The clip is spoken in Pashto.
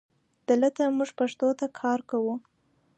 دلته مونږ پښتو ته کار کوو